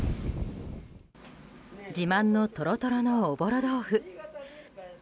自慢のトロトロのおぼろ豆腐。